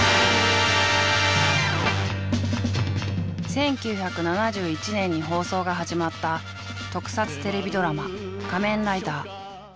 １９７１年に放送が始まった特撮テレビドラマ「仮面ライダー」。